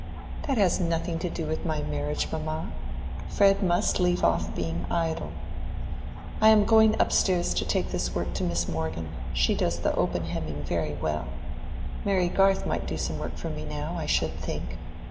"That has nothing to do with my marriage, mamma. Fred must leave off being idle. I am going up stairs to take this work to Miss Morgan: she does the open hemming very well. Mary Garth might do some work for me now, I should think.